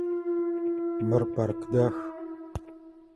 Мыр парк дах.